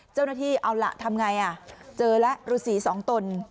เจ้าหน้าที่เอาล่ะทำไงเจอแล้วฤษีสองตน